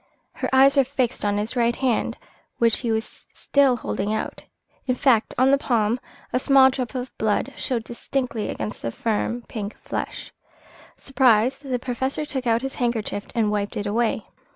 Her eyes were fixed on his right hand, which he was still holding out. In fact, on the palm a small drop of blood showed distinctly against the firm, pink flesh. Surprised, the Professor took out his handkerchief and wiped it away.